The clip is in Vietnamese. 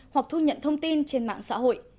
hoặc thu nhận thông tin trên mạng xã hội